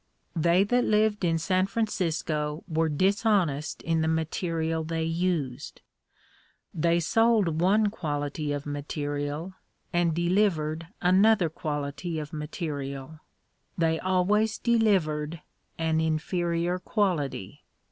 They that lived in San Francisco were dishonest in the material they used. They sold one quality of material and delivered another quality of material. They always delivered an inferior quality.